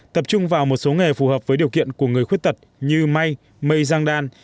tập trung vào một số nghề phù hợp với điều kiện của người khuyết tật như may mây giang đan